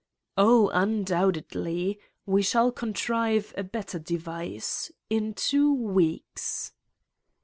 1 ' Oh, undoubtedly. We shall contrive a better device. In two weeks?"